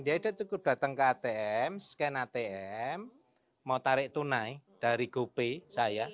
dia sudah cukup datang ke atm scan atm mau tarik tunai dari gopay saya